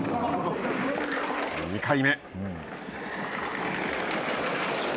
２回目。